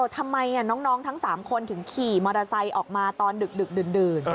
ทำไมน้องทั้ง๓คนถึงขี่มอเตอร์ไซค์ออกมาตอนดึกดื่น